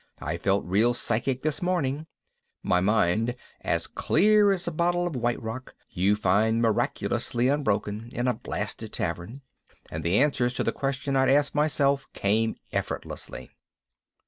I felt real psychic this morning, my mind as clear as a bottle of White Rock you find miraculously unbroken in a blasted tavern, and the answers to the question I'd asked myself came effortlessly.